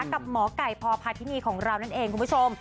กับหมอไก่พพาธินีของเรานั่นเองคุณผู้ชม